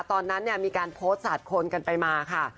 ตอนนั้นมีการโพสต์สาดคนกันไปมาค่ะ